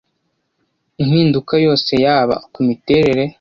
impinduka yose yaba ku miterere